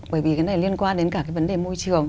bởi vì cái này liên quan đến cả cái vấn đề môi trường